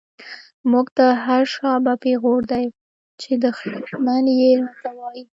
مونږ ته هر “شابه” پیغور دۍ، چی دشمن یی راته وایی